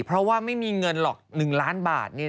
เพราะว่าไม่มีเงินหรอก๑ล้านบาท